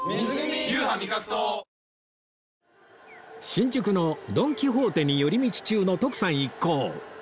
新宿のドン・キホーテに寄り道中の徳さん一行